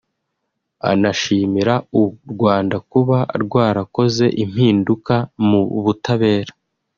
Anashimira u Rwanda kuba rwarakoze impinduka mu butabera